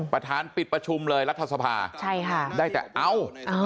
ประธานปิดประชุมเลยรัฐสภาได้แต่เอา